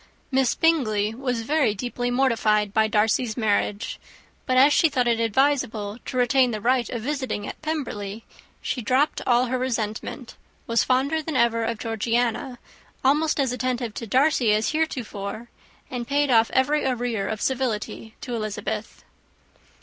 Miss Bingley was very deeply mortified by Darcy's marriage; but as she thought it advisable to retain the right of visiting at Pemberley, she dropped all her resentment; was fonder than ever of Georgiana, almost as attentive to Darcy as heretofore, and paid off every arrear of civility to Elizabeth.